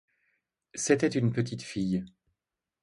C'était une petite fille.